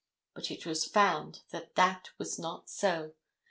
But it was found that that was not so.